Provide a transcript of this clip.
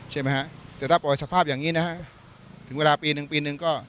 แต่ถ้าปล่อยสภาพอย่างนี้นะถึงเวลาปีหนึ่งปีหนึ่ง